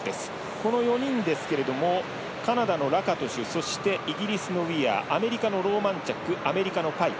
この４人ですけれどもカナダのラカトシュそして、イギリスのウィアーアメリカのローマンチャックアメリカのパイク。